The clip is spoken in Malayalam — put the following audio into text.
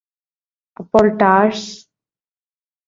അപ്പോൾ ടാര്സ്